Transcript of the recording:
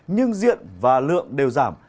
nhưng diện và lượng đều giảm